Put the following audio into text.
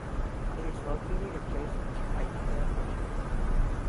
It is located adjacent to Whiteman Air Force Base.